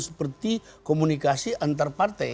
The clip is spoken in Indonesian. seperti komunikasi antar partai